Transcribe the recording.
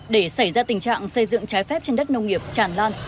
để xảy ra tình trạng xây dựng trái phép trên đất nông nghiệp tràn lan